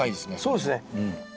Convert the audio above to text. そうですね。